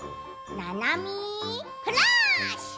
「ななみフラッシュ」。